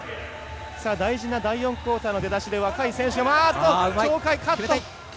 大事な第４クオーターの出だしで若い選手が鳥海カット。